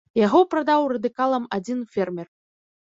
Яго прадаў радыкалам адзін фермер.